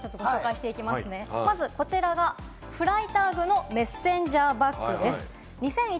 こちらが、フライターグのメッセンジャーバッグです。